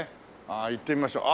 ああ行ってみましょう。